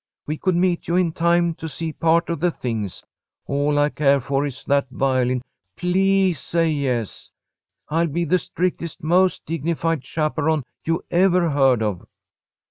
We could meet you in time to see part of the things. All I care for is that violin. Please say yes. I'll be the strictest, most dignified chaperon you ever heard of."